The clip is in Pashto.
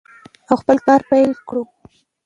او خپل کار پیل کړو.